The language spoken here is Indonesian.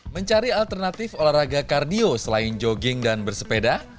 mencari alternatif olahraga kardio selain jogging dan bersepeda